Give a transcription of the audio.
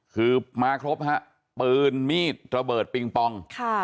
คือมาครบฮะปืนมีดระเบิดปิงปอง